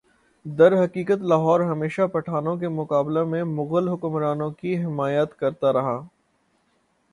درحقیقت لاہور ہمیشہ پٹھانوں کے مقابلہ میں مغل حکمرانوں کی حمایت کرتا رہا